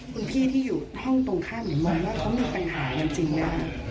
คุณพี่ที่อยู่ห้องตรงข้างเหมือนมองแล้วเขามีปัญหากันจริงนะ